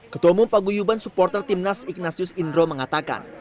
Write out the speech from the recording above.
ketua umum paguyuban supporter timnas ignatius indro mengatakan